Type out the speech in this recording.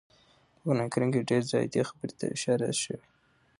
په قران کريم کي ډير ځايه دې خبرې ته اشاره شوي